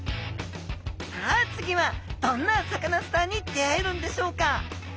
さあ次はどんなサカナスターに出会えるんでしょうか？